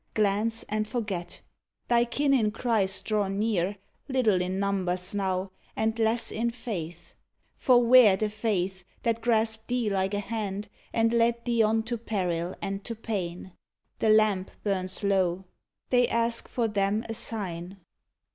Glance, and forget. Thy kin in Christ draw near, Little in numbers now, and less in faith; For where the faith that grasped thee like a hand And led thee on to peril and to pain? The lamp burns low. They ask for them a sign.